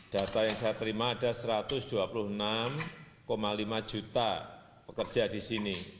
data yang saya terima ada satu ratus dua puluh enam lima juta pekerja di sini